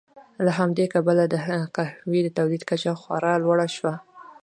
له همدې کبله د قهوې د تولید کچه خورا لوړه شوه.